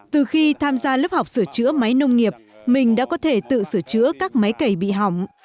từ khi tham gia lớp học sửa chữa máy nông nghiệp mình đã có thể tự sửa chữa các máy cầy bị hỏng